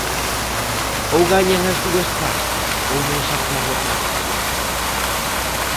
Ou gañan as dúas partes ou non se aproba o tratado.